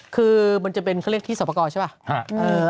คือมันจะเป็นเขาเรียกที่สอบประกอบใช่ป่ะ